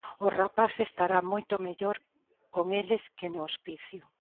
O rapaz estará moito mellor con eles que no hospicio.